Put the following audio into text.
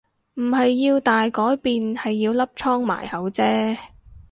唔係要大改變係要粒瘡埋口啫